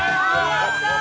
やったー！